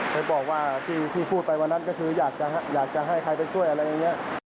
ไปบอกว่าที่พูดไปวันนั้นก็คืออยากจะให้ใครไปช่วยอะไรอย่างนี้